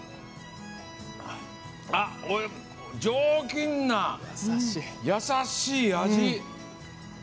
上品な優しい味！